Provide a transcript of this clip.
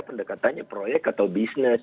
pendekatannya proyek atau bisnis